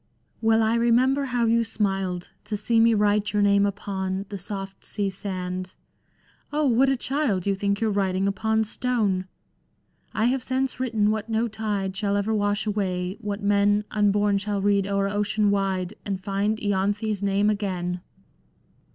" Well I remember how you smiled To see me write your name upon The soft sea sand ...! what a child I You think you^re writing upon stone ! I have since written what no tide Shall ever wash away, what men Unborn shall read o'er ocean wide, And find lanthe's name again."